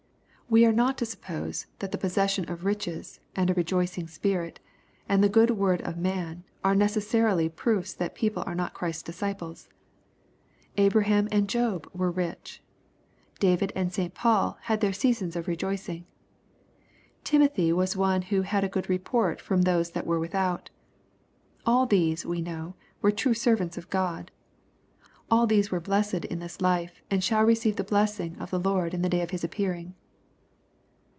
We are not to suppose that the possession of riches, and a rejoicing spirit, and the good word of man, are necessarily proofs that people are not Christ's disciples. Abraham and Job were rich. David and St. Paul had their seasons of rejoicing. Timothy was one who " had a good report from those that were without." All these, we know, were true servants of God. All these were blessed in this life, and shall receive the blessing of the Lord in the day of His appearing.